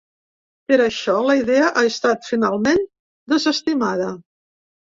Per això, la idea ha estat finalment desestimada.